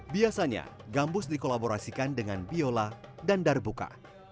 biasanya gambus dikolaborasikan dengan biola dan darbuka